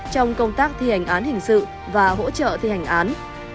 trong công tác thi hành án hình sự và hỗ trợ thi hành án